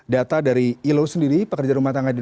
data dari ilo sendiri pekerja rumah tangga